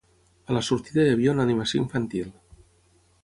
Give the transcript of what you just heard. A la sortida hi havia una animació infantil.